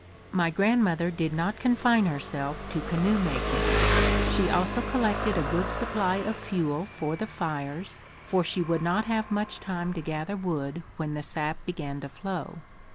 My grandmother did not confine herself to canoe making. She also collected a good supply of fuel for the fires, for she would not have much time to gather wood when the sap began to flow.